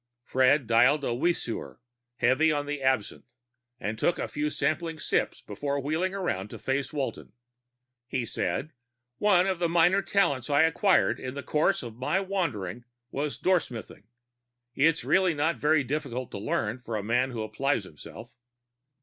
Fred dialed a Weesuer, heavy on the absinthe, and took a few sampling sips before wheeling around to face Walton. He said, "One of the minor talents I acquired in the course of my wanderings was doorsmithing. It's really not very difficult to learn, for a man who applies himself."